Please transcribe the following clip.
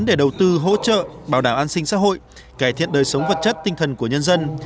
để đầu tư hỗ trợ bảo đảm an sinh xã hội cải thiện đời sống vật chất tinh thần của nhân dân